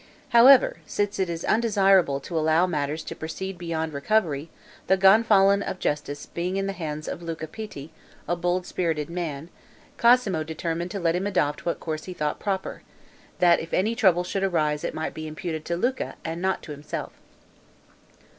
However, since it is undesirable to allow matters to proceed beyond recovery, the Gonfalon of Justice being in the hands of Luca Pitti, a bold spirited man, Cosmo determined to let him adopt what course he thought proper, that if any trouble should arise it might be imputed to Luca and not to himself.